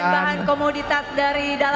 ada bahan bahan komoditas dari dalam negeri